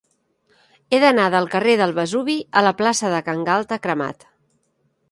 He d'anar del carrer del Vesuvi a la plaça de Can Galta Cremat.